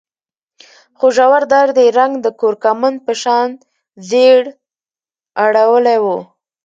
خو ژور درد يې رنګ د کورکمند په شان ژېړ اړولی و.